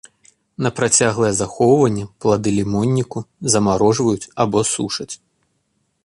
На працяглае захоўванне плады лімонніку замарожваюць або сушаць.